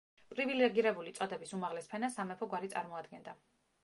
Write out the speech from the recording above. პრივილეგირებული წოდების უმაღლეს ფენას სამეფო გვარი წარმოადგენდა.